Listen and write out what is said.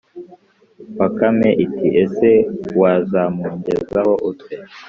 bakame iti: "Ese wazamungezaho ute?"